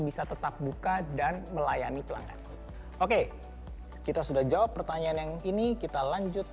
bisa tetap buka dan melayani pelanggan oke kita sudah jawab pertanyaan yang ini kita lanjut